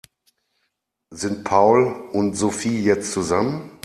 Sind Paul und Sophie jetzt zusammen?